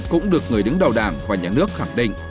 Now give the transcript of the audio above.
cũng được người đứng đầu đảng và nhà nước khẳng định